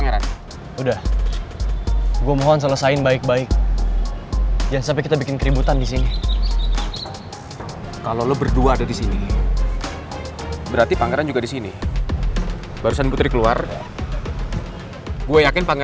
mending lo pergi sekarang